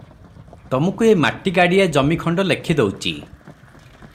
ତମୁକୁ ଏ ମାଟିଗାଡ଼ିଆ ଜମିଖଣ୍ଡ ଲେଖି ଦଉଚି ।